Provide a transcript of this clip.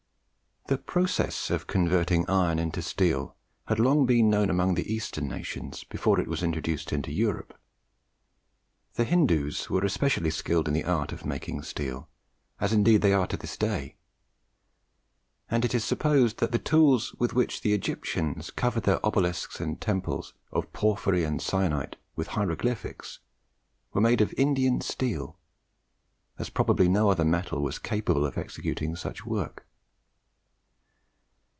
The process of converting iron into steel had long been known among the Eastern nations before it was introduced into Europe. The Hindoos were especially skilled in the art of making steel, as indeed they are to this day; and it is supposed that the tools with which the Egyptians covered their obelisks and temples of porphyry and syenite with hieroglyphics were made of Indian steel, as probably no other metal was capable of executing such work.